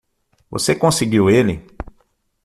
Você conseguiu ele?